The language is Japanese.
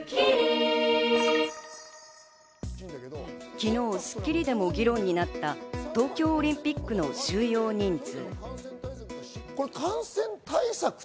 昨日『スッキリ』でも議論になった東京オリンピックの収容人数。